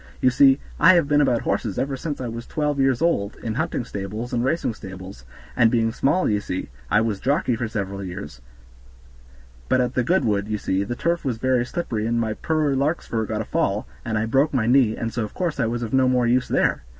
You see, I have been about horses ever since I was twelve years old, in hunting stables, and racing stables; and being small, ye see, I was jockey for several years; but at the Goodwood, ye see, the turf was very slippery and my poor Larkspur got a fall, and I broke my knee, and so of course I was of no more use there.